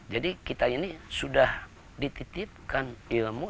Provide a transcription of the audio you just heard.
jadi kita ini sudah dititipkan ilmu